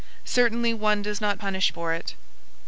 Certainly one does not punish for it.